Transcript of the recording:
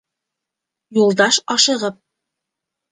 Юлдаш ашығып: